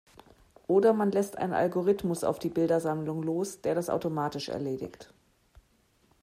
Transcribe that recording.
Oder man lässt einen Algorithmus auf die Bildersammlung los, der das automatisch erledigt.